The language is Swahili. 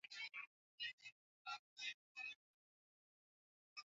wa Vita Baridi dhidi ya Umoja wa Kisovyeti ulimsaidia katika kuteuliwa hukoBaada ya